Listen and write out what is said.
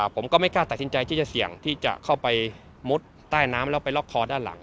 ผมก็ไม่กล้าตัดสินใจที่จะเสี่ยงที่จะเข้าไปมุดใต้น้ำแล้วไปล็อกคอด้านหลัง